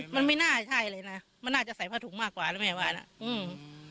มันไม่น่าใช่เลยนะมันน่าจะใส่ผ้าถุงมากกว่าแล้วแม่ว่านะอืม